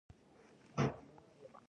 آیا فردوسي ژبه ژوندۍ ونه ساتله؟